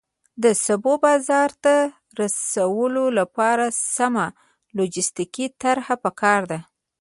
د سبو بازار ته رسولو لپاره سمه لوجستیکي طرحه پکار ده.